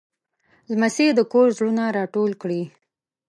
لمسی د کور زړونه راټول کړي.